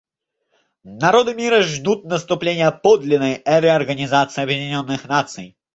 Народы мира ждут наступления подлинной эры Организации Объединенных Наций.